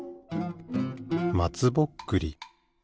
まつぼっくり。